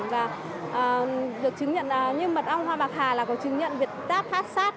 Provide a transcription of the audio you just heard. và được chứng nhận như mực ong hoa bạc hà là có chứng nhận việc tác phát sát